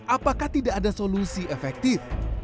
apakah tidak ada solusi efektif